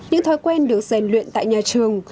những thói quen được dành luyện tại nhà trường